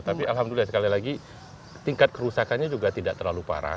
tapi alhamdulillah sekali lagi tingkat kerusakannya juga tidak terlalu parah